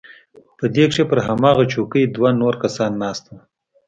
په دې کښې پر هماغه چوکۍ دوه نور کسان ناست وو.